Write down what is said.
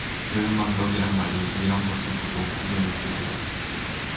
배은망덕이란 말이 이런 것을 두고 이름일세그려.